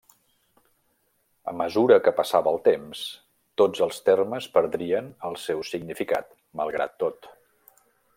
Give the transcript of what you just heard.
A mesura que passava el temps, tots els termes perdrien el seu significat malgrat tot.